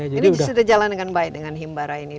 ini sudah jalan dengan baik dengan himbara ini